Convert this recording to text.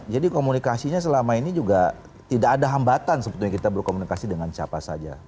jadi komunikasinya selama ini juga tidak ada hambatan sebetulnya kita berkomunikasi dengan siapa saja